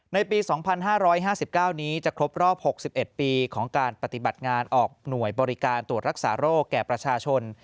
ในปี๒๕๕๙นี้จะครบรอบ๖๑ปีของการปฏิบัติงานออกหน่วยบริการตรวจรักษาโรคแก่ประชาชน